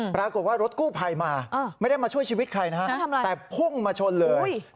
ปรากฏว่ารถกู้ภัยมาไม่ได้มาช่วยชีวิตใครนะฮะแต่พุ่งมาชนเลย